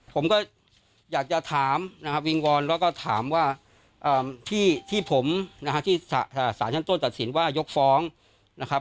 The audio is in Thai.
ผมก็อยากจะถามนะครับวิงวอนแล้วก็ถามว่าที่ผมนะฮะที่สารชั้นต้นตัดสินว่ายกฟ้องนะครับ